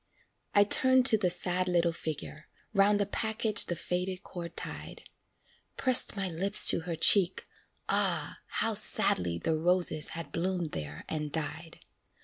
I turned to the sad little figure, 'Round the package the faded cord tied; Pressed my lips to her cheek ah, how sadly The roses had bloomed there and died.